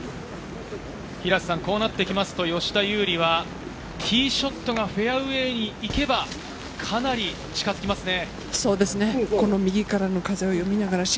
こうなってくると吉田優利は、ティーショットがフェアウエーに行けば、かなり近づきますね。